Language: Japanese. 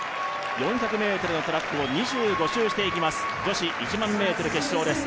４００ｍのトラックを２５周していきます、女子１００００ｍ決勝です。